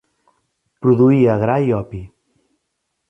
Produïa gra i opi.